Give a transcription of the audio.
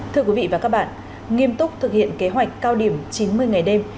thưa quý vị và các bạn nghiêm túc thực hiện kế hoạch cao điểm chín mươi ngày đêm